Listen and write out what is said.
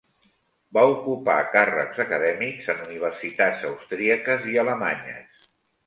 Va ocupar càrrecs acadèmics en universitats austríaques i alemanyes.